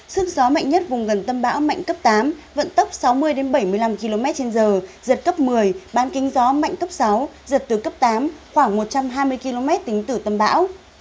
sức gió mạnh nhất vùng gần tâm bão mạnh cấp tám vận tốc sáu mươi bảy mươi năm km trên giờ giật cấp một mươi bán kính gió mạnh cấp sáu giật từ cấp tám khoảng một trăm hai mươi km tính từ tâm bão